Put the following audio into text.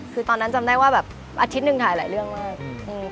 คือตอนนั้นจำได้ว่าแบบอาทิตย์หนึ่งถ่ายหลายเรื่องมาก